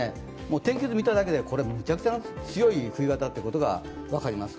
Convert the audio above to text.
天気図を見ただけで、めちゃくちゃ強い冬型ということが分かります。